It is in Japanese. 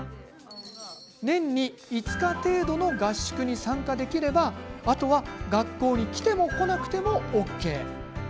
年に５日程度の合宿に参加できればあとは学校に来ても来なくてもＯＫ。